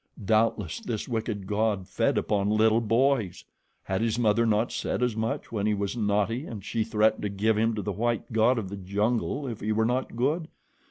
Doubtless this wicked god fed upon little boys. Had his mother not said as much when he was naughty and she threatened to give him to the white god of the jungle if he were not good?